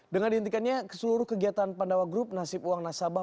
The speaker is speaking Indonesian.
dengan dihentikannya seluruh kegiatan pandawa group nasib uang nasabah